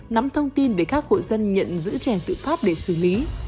nắm thông tin về các hội dân nhận giữ trẻ tự phát để xử lý